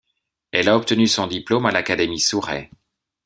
Elle a obtenu son diplôme à l'Académie Soureh.